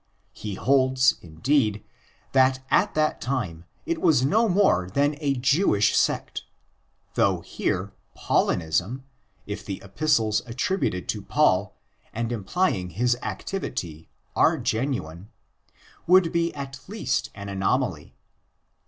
He holds, indeed, that at that time it was no more than a Jewish sect; though here Paulinism, if the Epistles attributed to Paul and im ping his activity are genuine, would be at least an anomaly.